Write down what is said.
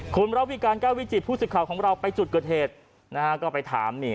คุณระวิการแก้ววิจิตผู้สื่อข่าวของเราไปจุดเกิดเหตุนะฮะก็ไปถามนี่